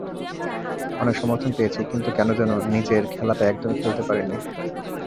অনেক সমর্থন পেয়েছি, কিন্তু কেন যেন নিজের খেলাটা একদমই খেলতে পারিনি।